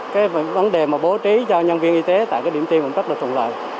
cái vấn đề mà bố trí cho nhân viên y tế tại cái điểm tiêm cũng rất là thuận lợi